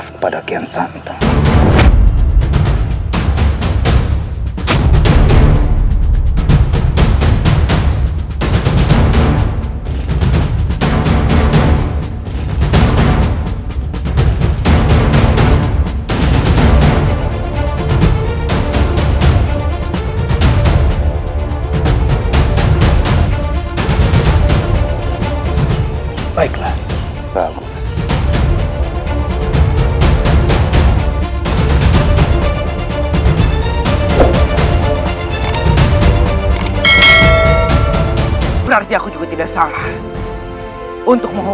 kau akan berhenti